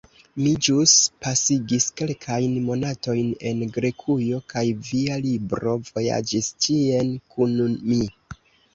Mi ĵus pasigis kelkajn monatojn en Grekujo, kaj via libro vojaĝis ĉien kun mi.